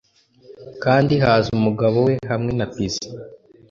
kandi haza umugabo we hamwe na pizza